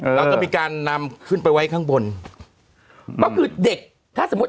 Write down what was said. แล้วก็มีการนำขึ้นไปไว้ข้างบนก็คือเด็กถ้าสมมุติ